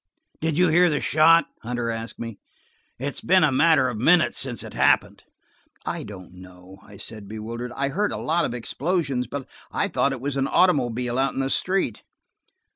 "Did you hear the shot?" Hunter asked me. "It has been a matter of minutes since it happened." "I don't know," I said, bewildered. "I heard a lot of explosions, but I thought it was an automobile, out in the street."